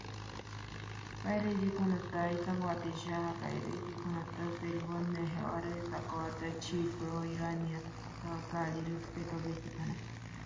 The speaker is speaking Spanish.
Las autoridades búlgaras afirmaron que Hezbolá, un grupo chií pro-iraní, estaba detrás del atentado.